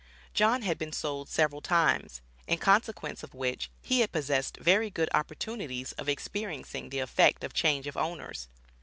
John had been sold several times, in consequence of which, he had possessed very good opportunities of experiencing the effect of change of owners.